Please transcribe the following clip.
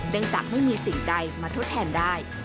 จากไม่มีสิ่งใดมาทดแทนได้